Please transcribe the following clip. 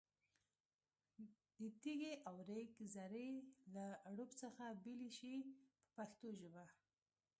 د تېږې او ریګ ذرې له اړوب څخه بېلې شي په پښتو ژبه.